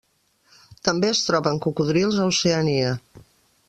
També es troben cocodrils a Oceania.